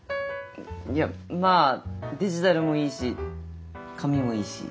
いやまあデジタルもいいし紙もいいし。